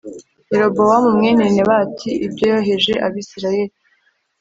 Yerobowamu mwene Nebati ibyo yoheje Abisirayeli